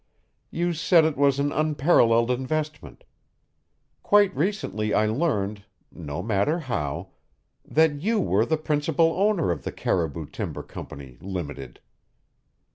You said it was an unparalleled investment. Quite recently I learned no matter how that you were the principal owner of the Caribou Timber Company, Limited!